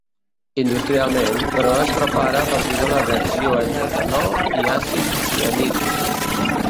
Industrialment, però es prepara a partir de la reacció entre etanol i àcid cianhídric.